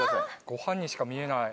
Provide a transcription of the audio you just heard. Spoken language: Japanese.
ご飯にしか見えない。